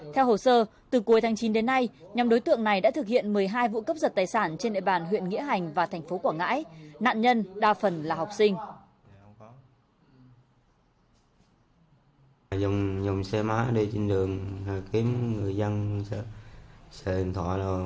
theo hồ sơ từ cuối tháng chín đến nay nhóm đối tượng này đã thực hiện một mươi hai vụ cấp giật tài sản trên địa bàn huyện nghĩa hành và thành phố quảng ngãi nạn nhân đa phần là học sinh